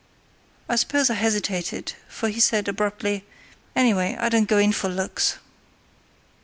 I suppose I hesitated, for he said, abruptly: "Anyway, I don't go in for looks."